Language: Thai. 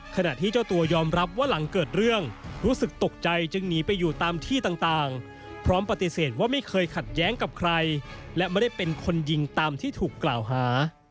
ขณะที่เจ้าตัวยอมรับว่าหลังเกิดเรื่องรู้สึกตกใจจึงหนีไปอยู่ตามที่ต่างพร้อมปฏิเสธว่าไม่เคยขัดแย้งกับใครและไม่ได้เป็นคนยิงตามที่ถูกกล่าวหา